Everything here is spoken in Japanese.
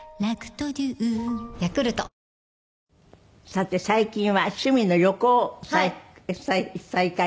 さて最近は趣味の旅行を再開。